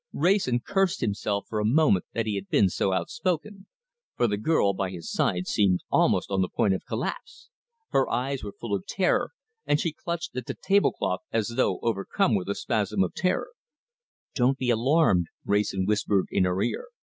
Wrayson cursed himself for a moment that he had been so outspoken, for the girl by his side seemed almost on the point of collapse. Her eyes were full of fear, and she clutched at the tablecloth as though overcome with a spasm of terror. "Don't be alarmed," Wrayson whispered in her ear.